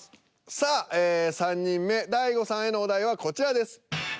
さあ３人目大悟さんへのお題はこちらです。